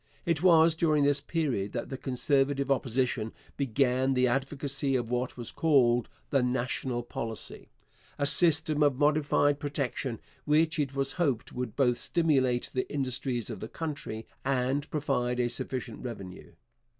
It was during this period that the Conservative Opposition began the advocacy of what was called 'The National Policy' a system of modified protection which it was hoped would both stimulate the industries of the country and provide a sufficient revenue.